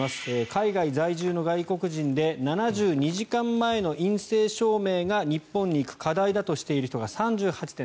海外在住の外国人で７２時間前の陰性証明が日本に行く課題だとしている人が３８．３％。